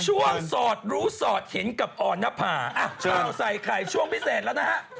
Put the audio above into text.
ช่วงสอดรู้สอดเห็นกับอ่อนณพาเข้าใส่ใครช่วงพิเศษแล้วนะฮะ